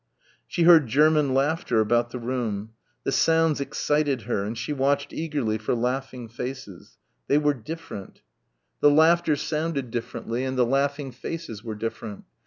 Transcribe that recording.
She heard German laughter about the room. The sounds excited her and she watched eagerly for laughing faces.... They were different.... The laughter sounded differently and the laughing faces were different.